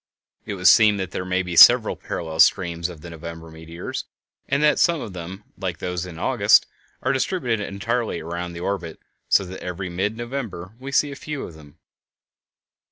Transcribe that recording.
It would seem that there may be several parallel streams of the November meteors, and that some of them, like those of August, are distributed entirely around the orbit, so that every mid November we see a few of them.